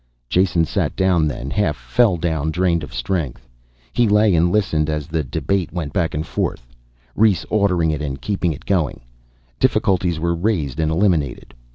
Jason sat down then, half fell down, drained of strength. He lay and listened as the debate went back and forth, Rhes ordering it and keeping it going. Difficulties were raised and eliminated.